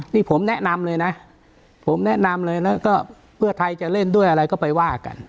นี่ผมแนะนำเลยนะผมแนะนำเลยนะก็เพื่อไทยจะเล่นด้วยอะไรก็ไปว่ากัน